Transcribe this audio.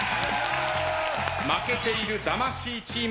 負けている魂チーム先攻です。